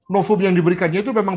novum yang diberikannya itu memang